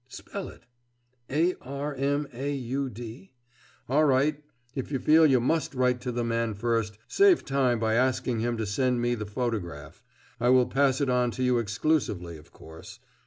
Spell it. A r m a u d. All right; if you feel you must write to the man first, save time by asking him to send me the photograph. I will pass it on to you exclusively, of course.